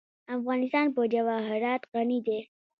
افغانستان په جواهرات غني دی.